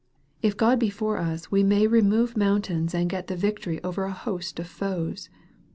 If God be for us we may remove mountains and get the victory over a host of foes.